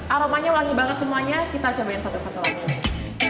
aromanya wangi banget semuanya kita cobain satu satu langsung